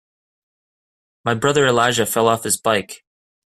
My brother Elijah fell off his bike.